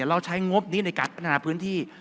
เราใช้งบนี้ในการพัฒนาพื้นที่